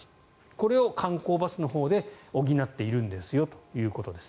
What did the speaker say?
これを観光バスのほうで補っているんですよということです。